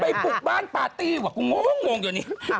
ไปปลุกบ้านปาร์ตี้ว๋อกูงงงเลยนี่